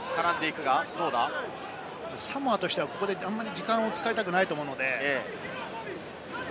サモアとしてはあんまり時間を使いたくないと思うので。